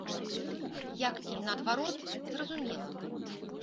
Як і наадварот, зразумела.